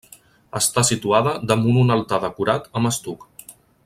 Està situada damunt un altar decorat amb estuc.